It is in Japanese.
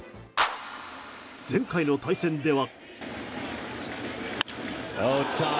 前回の対戦では。